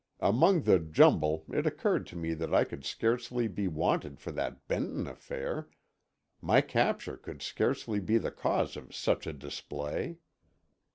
Among the jumble it occurred to me that I could scarcely be wanted for that Benton affair—my capture could scarcely be the cause of such a display.